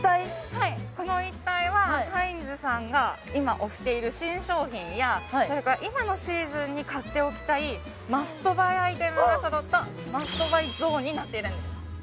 はいこの一帯はカインズさんが今推している新商品やそれから今のシーズンに買っておきたいマストバイアイテムが揃ったマストバイゾーンになっているんです